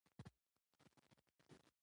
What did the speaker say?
علم له طبیعي افتونو سره د مبارزې وسیله ده.